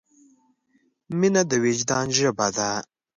مینه د وجدان ژبه ده.